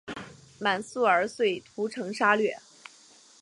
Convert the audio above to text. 满速儿遂屠城杀掠。